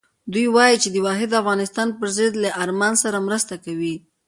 دوی وایي چې د واحد افغانستان پر ضد له ارمان سره مرسته کوي.